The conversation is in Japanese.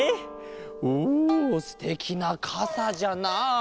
おすてきなかさじゃなあ。